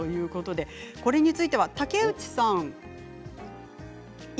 これについては竹内さん。